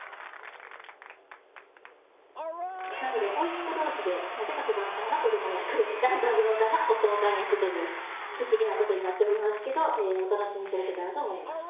甥っ子同士でなぜか小雁さんが子ども役雁三郎さんがお父さん役という不思議なことになっておりますけどお楽しみ頂けたらと思います。